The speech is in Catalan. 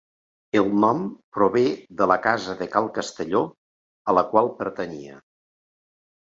El nom prové de la casa de Cal Castelló, a la qual pertanyia.